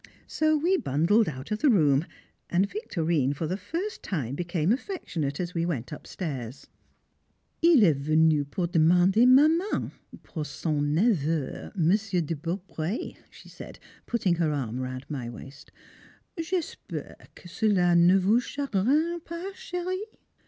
So we bundled out of the room, and Victorine for the first time became affectionate as we went upstairs. "Il est venu pour demander ma main, pour son neveu, Monsieur de Beaupré," she said, putting her arm round my waist; "J'espère que cela ne vous chagrine pas, chérie?"